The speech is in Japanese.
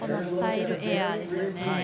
スタイルエアですよね。